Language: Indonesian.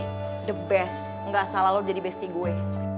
the best gak salah lo jadi besti gue